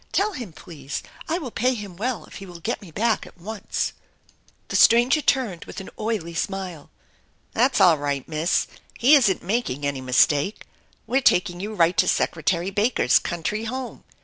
Tell him, please, I will pay him well if he will get me back at once." The stranger turned with an oily smile. "That's all right, Miss. He isn't making any mistake. We're taking you right to Secretary Baker's country home.